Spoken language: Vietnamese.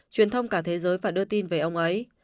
truyền thông cả thế giới phải đưa tin về ông ấy